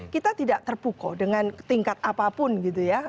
kita tidak terpukul dengan tingkat apapun gitu ya